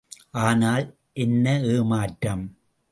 ஆனால், என்ன ஏமாற்றம்!